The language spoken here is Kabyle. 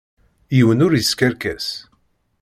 Yiwen ur yeskerkes.